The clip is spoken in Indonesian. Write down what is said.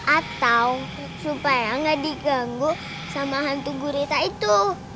atau supaya nggak diganggu sama hantu gurita itu